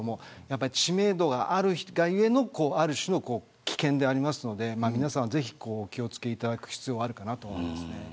知名度があるがゆえのある種の危険でありますので皆さん、ぜひお気を付けいただく必要があるかと思います。